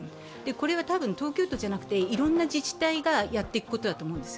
これは多分、東京都じゃなくていろんな自治体がやっていくことだと思うんです。